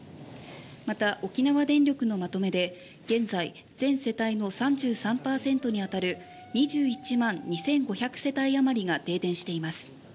また、沖縄電力のまとめで現在、全世帯の３３％に当たる２１万２５００世帯あまりが停電しています。